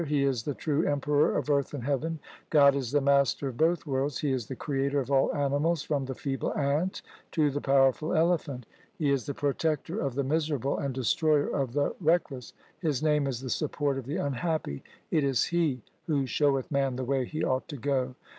He is the true Emperor of earth and heaven. God is the master of both worlds. He is the Creator of all animals from the feeble ant to the powerful elephant. He is the Protector of the miserable and Destroyer of the reck less. His name is the Support of the unhappy. It is He who showeth man the way he ought to go.